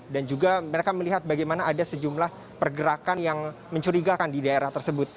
dan juga mereka melihat bagaimana ada sejumlah pergerakan yang mencurigakan di daerah tersebut